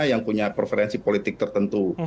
yang punya preferensi politik tertentu